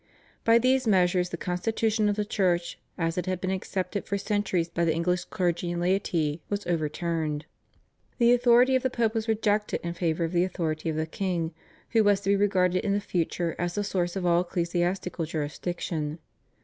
By these measures the constitution of the Church, as it had been accepted for centuries by the English clergy and laity, was overturned. The authority of the Pope was rejected in favour of the authority of the king, who was to be regarded in the future as the source of all ecclesiastical jurisdiction.